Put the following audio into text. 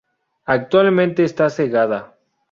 Actualmente está cegada.